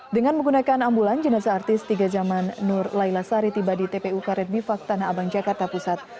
dengan menggunakan ambulan jenazah artis tiga zaman nur laila sari tiba di tpu karet bifak tanah abang jakarta pusat